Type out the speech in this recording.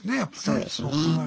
そうですね。